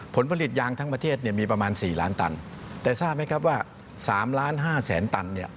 ผลผลิตยางทั้งประเทศมีประมาณ๔ล้านตันแต่ทราบไหมครับว่า๓๕ล้านตัน